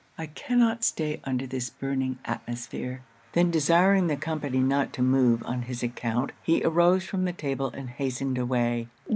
I cannot stay under this burning atmosphere.' Then desiring the company not to move on his account, he arose from table and hastened away.